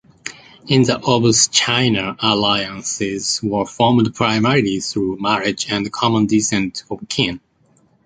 In the "Obshchina" alliances were formed primarily through marriage and common descent of kin.